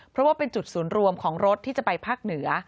เพราะว่าเป็นจุดศูนย์รวมของรถที่จะไปภาคเหนือ